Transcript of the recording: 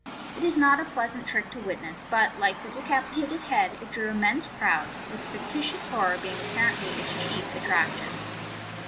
It is not a pleasant trick to witness but, like the "Decapitated Head,'' it drew immense crowds, its fictitious horror being apparently its chief attrac tion.